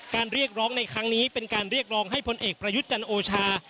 เรียกร้องในครั้งนี้เป็นการเรียกร้องให้พลเอกประยุทธ์จันโอชา